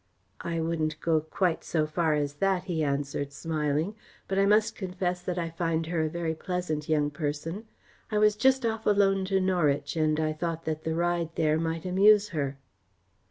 "I wouldn't go quite so far as that," he answered, smiling, "but I must confess that I find her a very pleasant young person. I was just off alone to Norwich and I thought that the ride there might amuse her."